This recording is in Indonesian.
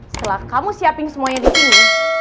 setelah kamu siapin semuanya di sini